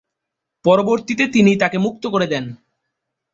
পরবর্তীতে তিনি তাকে মুক্ত করে দেন।